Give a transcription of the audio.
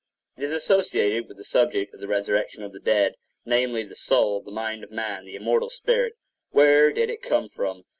It is associated with the subject of the resurrection of the dead,—namely, the soul—the mind of man—the immortal spirit.7 Where did it come from?